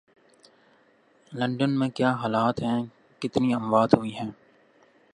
London میں کیا حالات ہیں، کتنی اموات ہوئی ہیں